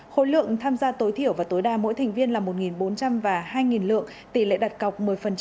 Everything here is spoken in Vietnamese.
khối lượng tham gia tối thiểu và tối đa mỗi thành viên là một bốn trăm linh và hai lượng tỷ lệ đặt cọc một mươi